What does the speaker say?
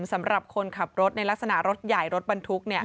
สำหรับคนขับรถในลักษณะรถใหญ่รถบรรทุก